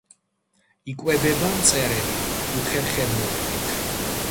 იკვებება მწერებით, უხერხემლოებით.